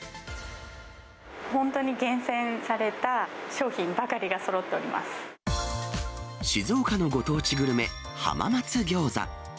本当に厳選された商品ばかり静岡のご当地グルメ、浜松餃子。